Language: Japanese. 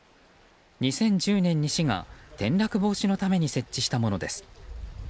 ２０１０年に市が転落防止のために設置したものです。